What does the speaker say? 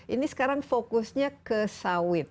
ini sekarang fokusnya ke sawit